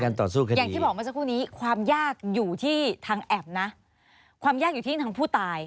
ต่อสู้กันอย่างที่บอกเมื่อสักครู่นี้ความยากอยู่ที่ทางแอปนะความยากอยู่ที่ทางผู้ตาย